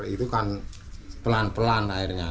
itu kan pelan pelan akhirnya